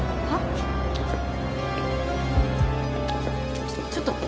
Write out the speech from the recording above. あっ！！